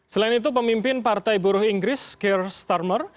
selain itu pemimpin partai buruh inggris kir starmer